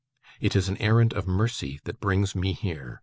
It is an errand of mercy that brings me here.